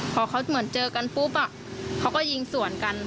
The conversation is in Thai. พอเขาเหมือนเจอกันปุ๊บเขาก็ยิงสวนกัน